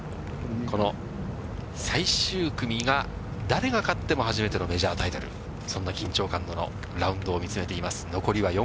この最終組が、誰が勝っても初めてのメジャータイトル、そんな緊張感でのラウンドを見つめています。